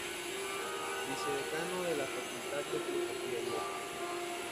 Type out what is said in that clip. Vicedecano de la Facultad de Filosofía y Letras.